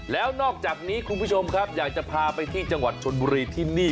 แล้วนอกจากนี้คุณผู้ชมครับอยากจะพาไปที่จังหวัดชนบุรีที่นี่